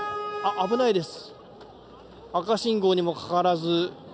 危ないです。